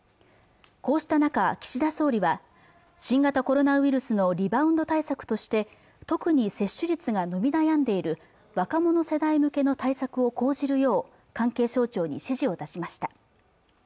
こうした中岸田総理は新型コロナウイルスのリバウンド対策として特に接種率が伸び悩んでいる若者世代向けの対策を講じるよう関係省庁に指示を出しました